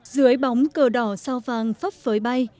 dưới bóng cờ đỏ sao vàng phấp phới bay